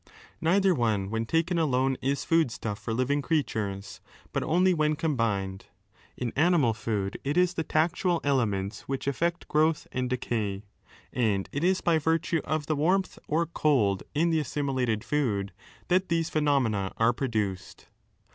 Neither one when taken alone is food stuff for living creatures, but only when combined. In animal food it is the tactual elements which effect 14 growth and decay. And it is by virtue of the warmth or cold in the assimilated food that these phenomena are produced.